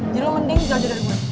jadi lo mending jauh dari gue